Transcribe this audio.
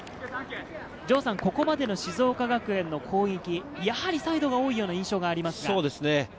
ここまでの静岡学園の攻撃、やはりサイドが多いような印象がありますが。